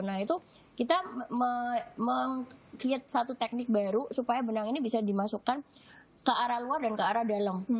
nah itu kita meng create satu teknik baru supaya benang ini bisa dimasukkan ke arah luar dan ke arah dalam